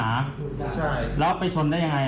สักครู่แล้วมันไปชนได้ยังไง